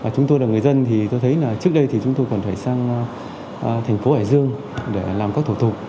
chúng tôi là người dân tôi thấy trước đây chúng tôi còn phải sang thành phố hải dương để làm các thủ tục